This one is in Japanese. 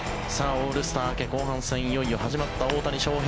オールスター明け、後半戦いよいよ始まった大谷翔平。